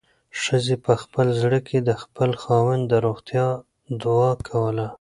ښځې په خپل زړه کې د خپل خاوند د روغتیا دعا کوله.